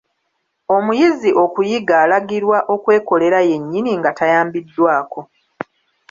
Omuyizi okuyiga alagirwa okwekolera yennyini nga tayambiddwako.